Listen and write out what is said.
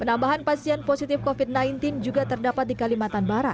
penambahan pasien positif covid sembilan belas juga terdapat di kalimantan barat